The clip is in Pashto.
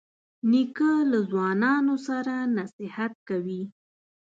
نیکه له ځوانانو سره نصیحت کوي.